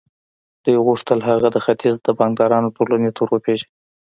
دوی غوښتل هغه د ختیځ د بانکدارانو ټولنې ته ور وپېژني